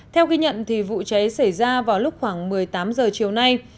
theo ghi nhận vụ cháy xảy ra vào lúc khoảng một mươi tám h chiều nay